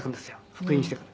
復員してくる」